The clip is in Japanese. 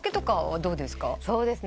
そうですね。